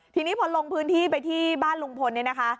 ทีนี้พอลงพื้นที่ไปที่บ้านลุงพลเนี่ยนะคะ